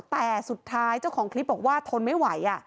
แต่สุดท้ายเจ้าของคลิปบอกว่าทนไม่ไหว